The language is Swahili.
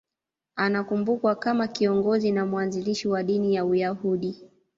Anakumbukwa kama kiongozi na mwanzilishi wa dini ya Uyahudi.